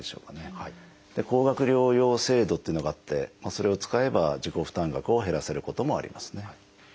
高額療養費制度っていうのがあってそれを使えば自己負担額を減らせることもありますね。